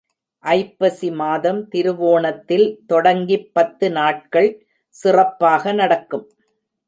ஐப்பசி மாதம் திருவோணத்தில் தொடங்கிப் பத்து நாட்கள் சிறப்பாக நடக்கும்.